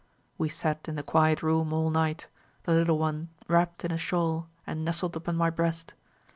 We sat in the quiet room all night, the little one wrapped in a shawl and nestled upon my breast.